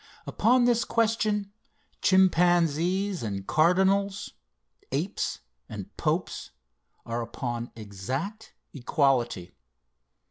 Upon this question, chimpanzees and cardinals, apes and popes, are upon exact equality.